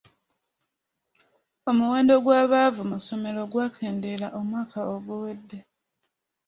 Omuwendo gw'abaava mu ssomero gwakendeera omwaka oguwedde.